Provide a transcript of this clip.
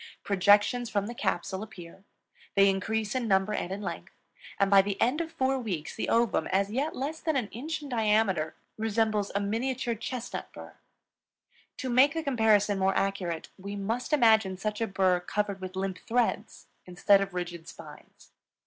Projections from the capsule appear; they increase in number and in length; and by the end of four weeks the ovum, as yet less than an inch in diameter, resembles a miniature chestnut burr. To make the comparison more accurate, we must imagine such a burr covered with limp threads instead of rigid spines.